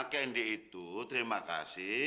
kendi itu terima kasih